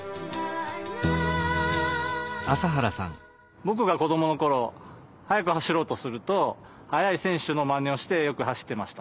ぼくが子どものころ速く走ろうとすると速い選手のまねをしてよく走っていました。